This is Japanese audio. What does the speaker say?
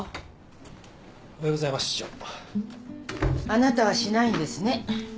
あなたはしないんですね？